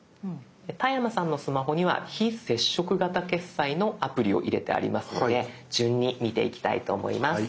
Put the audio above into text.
で田山さんのスマホには非接触型決済のアプリを入れてありますので順に見ていきたいと思います。